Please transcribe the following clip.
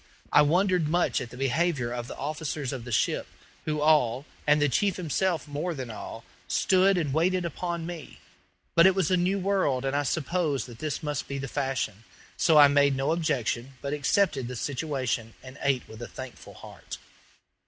I wondered much at the behavior of the officers of the ship, who all, and the chief himself more than all, stood and waited upon me; but it was a new world, and I supposed that this must be the fashion; so I made no objections, but accepted the situation and ate with a thankful heart.